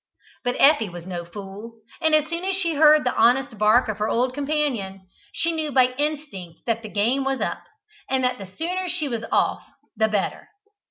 But Effie was no fool, and as soon as she heard the honest bark of her old companion, she knew by instinct that the game was up, and that the sooner she was off the better.